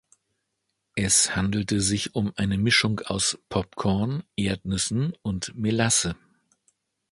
Es handelte sich um eine Mischung aus Popcorn, Erdnüssen und Melasse.